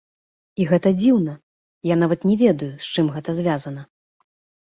І гэта дзіўна, я нават не ведаю, з чым гэта звязана.